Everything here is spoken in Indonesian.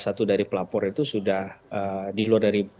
satu dari pelapor itu sudah di luar dari